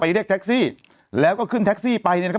เรียกแท็กซี่แล้วก็ขึ้นแท็กซี่ไปเนี่ยนะครับ